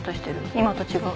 今と違う。